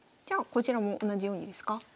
じゃあこちらも同じようにですか？